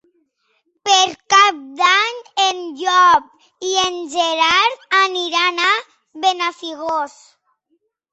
Per Cap d'Any en Llop i en Gerard aniran a Benafigos.